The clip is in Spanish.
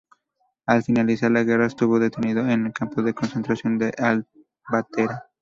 Al finalizar la guerra estuvo detenido en el campo de concentración de Albatera.